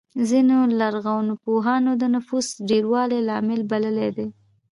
ځینو لرغونپوهانو د نفوسو ډېروالی لامل بللی دی.